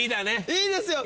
いいですよ！